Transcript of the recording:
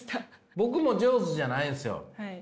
僕も上手じゃないんですよ